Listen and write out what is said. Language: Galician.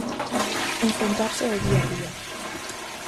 Enfrontarse ao día a día.